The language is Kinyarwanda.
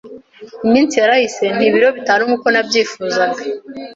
Iminsi yarahise, nta ibiro bitanu nk’uko nabyifuzaga